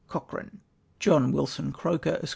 COCHEANE. " Jno. Wilson Croker, Esq.